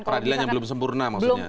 pengadilannya belum sempurna maksudnya